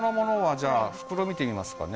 じゃあ袋見てみますかね